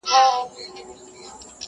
چي يې زړونه سوري كول د سركښانو،